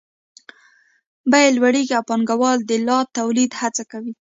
بیې لوړېږي او پانګوال د لا تولید هڅه کوي